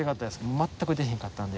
全く出えへんかったんで。